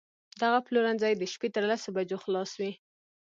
دغه پلورنځی د شپې تر لسو بجو خلاص وي